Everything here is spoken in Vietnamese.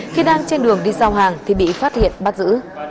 khi đang trên đường đi giao hàng thì bị phát hiện bắt giữ